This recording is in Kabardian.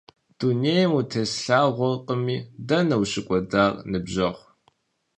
Дунейм утеслъагъуэркъыми, дэнэ ущыкӀуэдар, ныбжьэгъу?